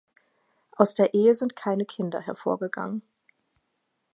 Aus der Ehe sind keine Kinder hervorgegangen.